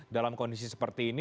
dalam kondisi seperti ini